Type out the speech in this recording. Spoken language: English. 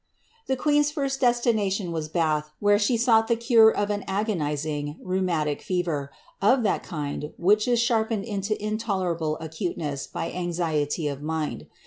The queen^s first destination was Bath, where she sought the cure of an agonizing rheumatic fever, of that kind which is sharpened into in tderable acuteness by anxiety of mind.